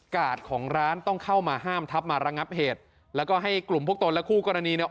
ของร้านต้องเข้ามาห้ามทับมาระงับเหตุแล้วก็ให้กลุ่มพวกตนและคู่กรณีเนี่ย